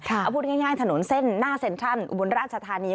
เอาพูดง่ายหน้าเซ็นไทยอุบลราชธารี